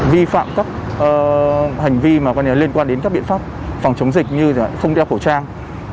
vi phạm các hành vi mà liên quan đến các biện pháp phòng chống dịch như không đeo khẩu trang